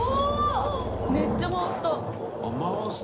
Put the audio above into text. めっちゃ回した。